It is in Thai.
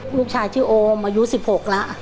ลูกชายชื่อโอมอายุ๑๖แล้ว